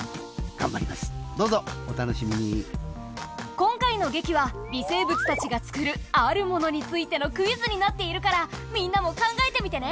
今回の劇は微生物たちが作るあるものについてのクイズになっているからみんなも考えてみてね。